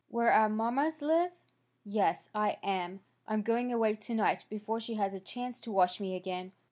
Where our mommas live?" "Yes, I am. I'm going away tonight before she has a chance to wash me again."